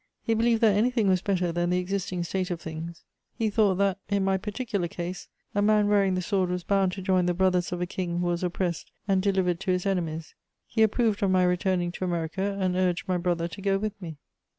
He believed that anything was better than the existing state of things; he thought that, in my particular case, a man wearing the sword was bound to join the brothers of a King who was oppressed and delivered to his enemies. He approved of my returning to America, and urged my brother to go with me.